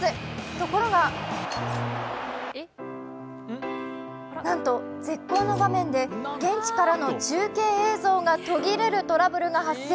ところがなんと、絶好の場面で現地からの中継映像が途切れるトラブルが発生。